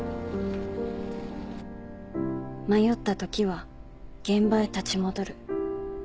「迷った時は現場へ立ち戻る」